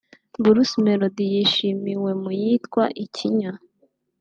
Bruce Melodie yishimiwe mu yitwa “Ikinya”